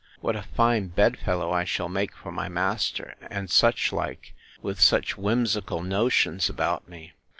what a fine bed fellow I shall make for my master (and such like), with such whimsical notions about me!